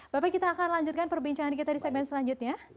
bapak kita akan lanjutkan perbincangan kita di segmen selanjutnya